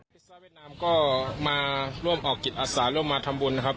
ซ่าเวียดนามก็มาร่วมออกจิตอาสาร่วมมาทำบุญนะครับ